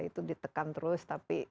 itu ditekan terus tapi